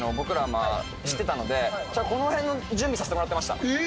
このへんの準備させてもらってましたえ